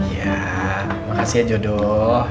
ya makasih ya jodoh